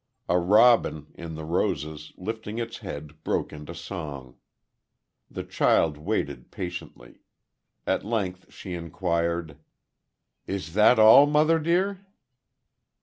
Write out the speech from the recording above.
A robin, in the roses, lifting its head, broke into song. The child waited, patiently.... At length she inquired: "Is that all, mother dear?"